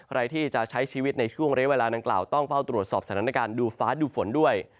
ใครที่จะใช้ชีวิตในช่วงเรียกเวลานางกล่าวต้องเฝ้าตรวจสอบสถานการณ์ดูฟ้าดูฝนด้วย